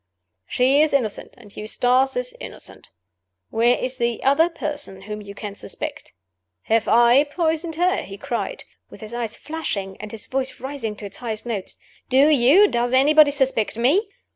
She is innocent, and Eustace is innocent. Where is the other person whom you can suspect? Have I poisoned her?" he cried, with his eyes flashing, and his voice rising to its highest notes. "Do you, does anybody, suspect Me?